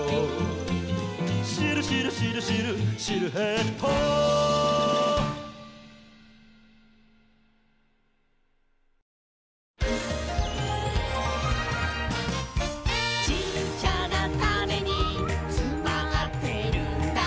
「シルシルシルシルシルエット」「ちっちゃなタネにつまってるんだ」